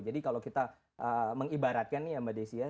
jadi kalau kita mengibaratkan nih mbak desi ya